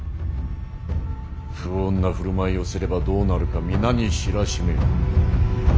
不穏な振る舞いをすればどうなるか皆に知らしめる。